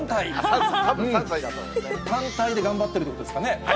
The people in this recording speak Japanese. たんたいで頑張ってるってことですかね。